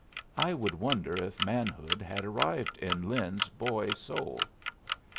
I would wonder if manhood had arrived in Lin's boy soul.